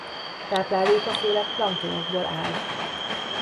Tápláléka főleg planktonból áll.